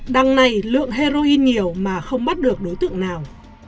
đằng này lượng heroin nhiều mà không bắt được đối tượng nào